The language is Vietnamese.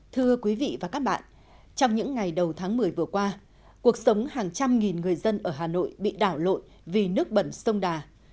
thưa quý vị và các bạn trong những ngày đầu tháng một mươi vừa qua cuộc sống hàng trăm nghìn người dân ở hà nội bị đảo lộn vì nước bẩn sông đà